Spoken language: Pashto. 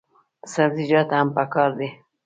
سبزیجات هم پکار دي.